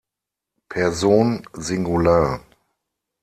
Person Singular.